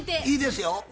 いいですよ。